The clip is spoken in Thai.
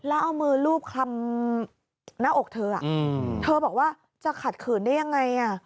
แล้วเอามือลูบคลำหน้าอกเธอเธอบอกว่าจะขัดขืนได้ยังไง